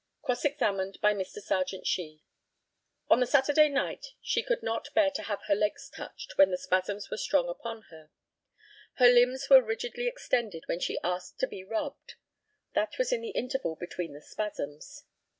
Cross examined by Mr. Serjeant SHEE: On the Saturday night she could not bear to have her legs touched when the spasms were strong upon her. Her limbs were rigidly extended when she asked to be rubbed. That was in the interval between the spasms.